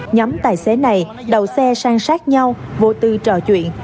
nhóm tài xế này đầu xe sang sát nhau vô tư trò chuyện